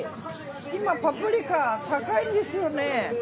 今パプリカ高いんですよね。